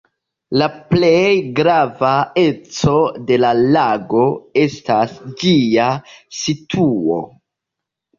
La plej grava eco de la lago estas ĝia situo.